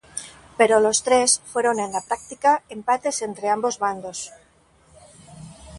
Pero los tres fueron, en la práctica, empates entre ambos bandos.